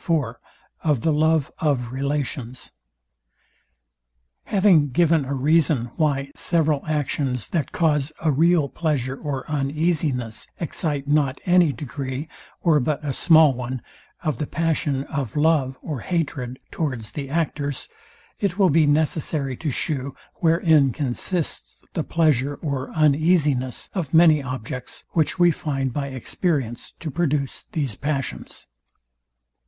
IV OF THE LOVE OF RELATIONS Having given a reason, why several actions, that cause a real pleasure or uneasiness, excite not any degree, or but a small one, of the passion of love or hatred towards the actors; it will be necessary to shew, wherein consists the pleasure or uneasiness of many objects, which we find by experience to produce these passions.